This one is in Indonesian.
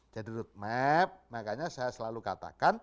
jadi roadmap makanya saya selalu katakan